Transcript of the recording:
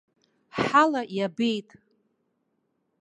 Ҳала иабеит!